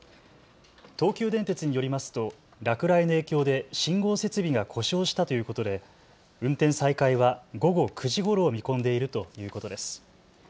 東急電鉄によりますと落雷の影響で信号設備が故障したということで運転再開は午後９時ごろを見込んでいるということです。